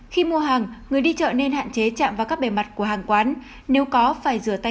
khi mua hàng người đi chợ nên hạn chế chạm vào các bề mặt của hàng quán nếu có phải rửa tay